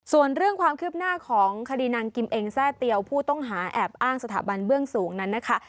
ส่วนเรื่องความคืบหน้าของคดีนางกิมเองแทร่เตียวผู้ต้องหาแอบอ้างสถาบันเบื้องสูงนั้นนะคะ